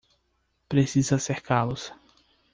Precisa cercá-los